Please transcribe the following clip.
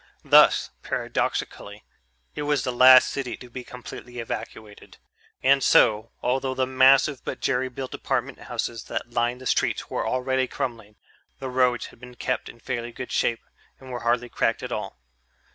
Thus, paradoxically, it was the last city to be completely evacuated, and so, although the massive but jerry built apartment houses that lined the streets were already crumbling, the roads had been kept in fairly good shape and were hardly cracked at all.